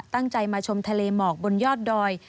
ตั้งใจมาชมทะเลหมอกบนยอดดอย